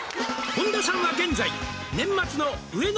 「本田さんは現在年末の」